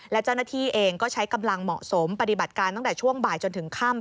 และเจ้าหน้าที่เองก็ใช้กำลังเหมาะสมปฏิบัติการตั้งแต่ช่วงบ่ายจนถึงค่ำ